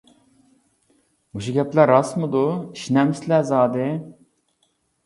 -مۇشۇ گەپلەر راستمىدۇ، ئىشىنەمسىلەر زادى؟ .